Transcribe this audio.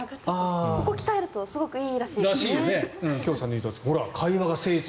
ここを鍛えるとすごくいいらしいですね。